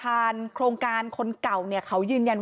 และมีการเก็บเงินรายเดือนจริง